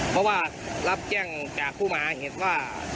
เพราะว่ารับแจ้งจากผู้มหาเหตุว่า